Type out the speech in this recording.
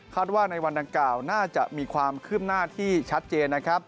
คาดว่าในวันดังกล่าวน่าจะมีความขึ้นหน้าที่ชัดเจน